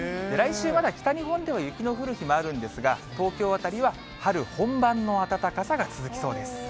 来週、まだ北日本では雪の降る日もあるんですが、東京辺りは春本番の暖かさが続きそうです。